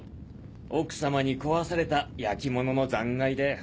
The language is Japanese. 奥様に壊された焼き物の残骸だよ。